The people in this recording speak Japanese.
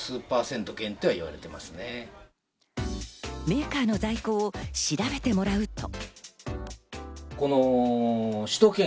メーカーの在庫を調べてもらうと。